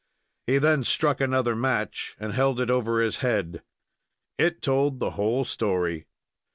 He then struck another match and held it over his head. It told the whole story.